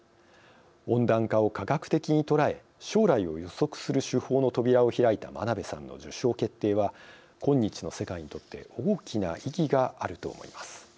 温暖化を科学的に捉え将来を予測する手法の扉を開いた真鍋さんの受賞決定は今日の世界にとって大きな意義があると思います。